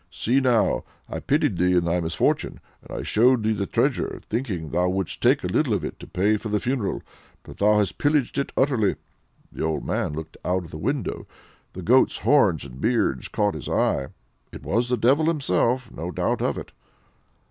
See now, I pitied thee in thy misfortune, and I showed thee the treasure, thinking thou wouldst take a little of it to pay for the funeral, but thou hast pillaged it utterly." The old man looked out of window the goat's horns and beard caught his eye it was the Devil himself, no doubt of it.